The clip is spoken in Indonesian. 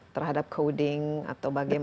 terhadap coding atau bagaimana